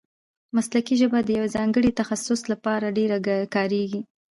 مسلکي ژبه د یوه ځانګړي تخصص له پاره ډېره کاریږي.